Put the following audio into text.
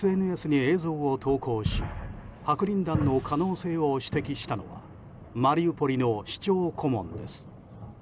ＳＮＳに映像を投稿し白リン弾の可能性を指摘したのはマリウポリの市長顧問です。